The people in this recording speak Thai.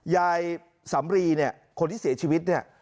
สำรีเนี่ยคนที่เสียชีวิตเนี่ย